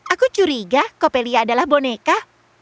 aku curiga coppelia adalah boneka